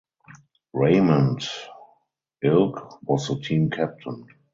Raymond Ilg was the team captain.